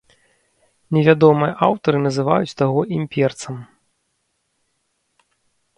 Невядомыя аўтары называюць таго імперцам.